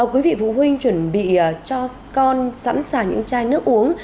quý vị phụ huynh chuẩn bị cho con sẵn sàng những chai nước uống